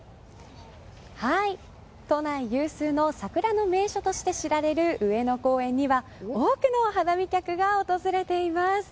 都内有数の桜の名所として知られる上野公園には多くの花見客が訪れています。